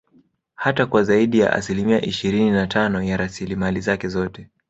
Hata kwa zaidi ya asilimia ishirini na Tano ya rasilimali zake zote